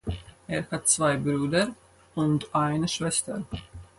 Er hat zwei Brüder und eine Schwester.